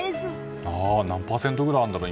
今、何パーセントぐらいあるんだろう。